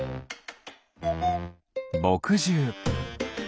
ぼくじゅう。